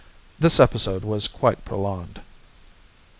This episode was quite prolonged."